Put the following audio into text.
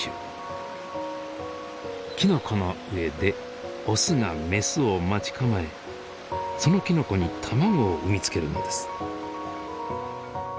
きのこの上でオスがメスを待ち構えそのきのこに卵を産み付けるのです。